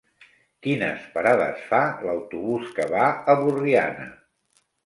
Quines parades fa l'autobús que va a Borriana?